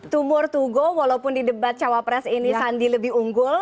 to more to go walaupun di debat cawapres ini sandi lebih unggul